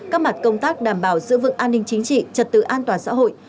các mặt công tác đảm bảo giữ vững an ninh chính trị trật tự an toàn xã hội